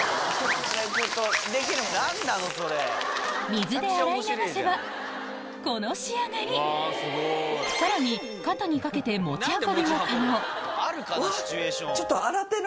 水で洗い流せばこの仕上がりさらに肩にかけてうわっちょっと。